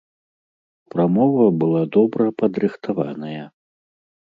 Прамова была добра падрыхтаваная.